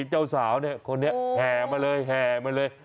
เจ้าสาวนี้แหมาเลยแหมาเลย